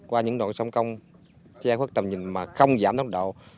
qua những đoạn sông công che khuất tầm nhìn mà không giảm tốc độ